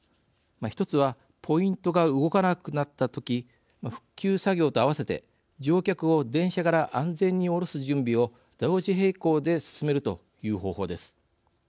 １つはポイントが動かなくなった時復旧作業と合わせて乗客を電車から安全に降ろす準備を同時並行で進めるという方法です。